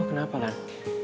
lu kenapa lan